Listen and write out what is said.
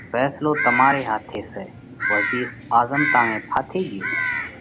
ڦينصلو تماري هاٿي سئہ۔ وزِير آزمتا ۾ ڦاٿِي ڳيو،